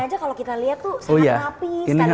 ini penamporannya aja kalau kita lihat tuh sangat napis